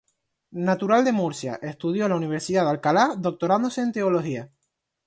Natural de Murcia, estudió en la Universidad de Alcalá, doctorándose en teología.